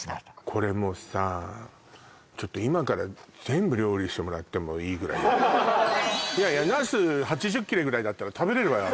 これもさちょっと今から全部料理してもらってもいいぐらいよいやいやナス８０切れぐらいだったら食べれるわよ